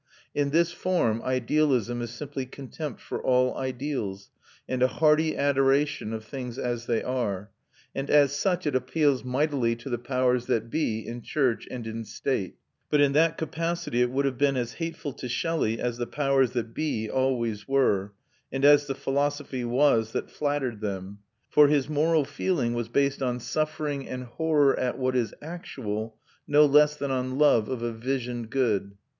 In this form, idealism is simply contempt for all ideals, and a hearty adoration of things as they are; and as such it appeals mightily to the powers that be, in church and in state; but in that capacity it would have been as hateful to Shelley as the powers that be always were, and as the philosophy was that flattered them. For his moral feeling was based on suffering and horror at what is actual, no less than on love of a visioned good.